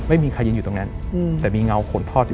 ไม่มีใครยืนอยู่ตรงนั้นแต่มีเงาขนทอดอยู่